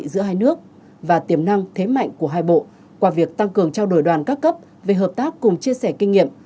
giữa hai nước và tiềm năng thế mạnh của hai bộ qua việc tăng cường trao đổi đoàn các cấp về hợp tác cùng chia sẻ kinh nghiệm